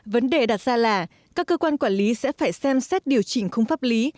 vấn đề đặt ra là các cơ quan quản lý sẽ phải xem xét điều chỉnh khung pháp lý